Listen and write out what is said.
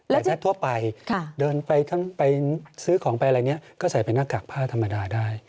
แต่ถ้าทั่วไปเดินไปซื้อของไปอะไรนี้ก็ใส่เป็นหน้ากากผ้าธรรมดาได้